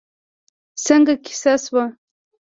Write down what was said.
څنګه کېسه شوه؟